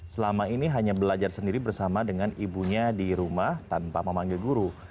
selama ini hanya belajar sendiri bersama dengan ibunya di rumah tanpa memanggil guru